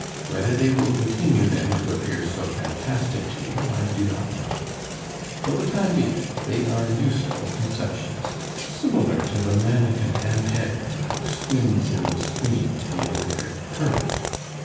Whether they will continue then to appear so fantastic to you I do not know. For the time being, they are useful conceptions, similar to the manikin Ampère who swims in the stream of the electric current.